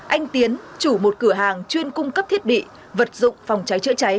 anh tiến chủ một cửa hàng chuyên cung cấp thiết bị vật dụng phòng cháy chữa cháy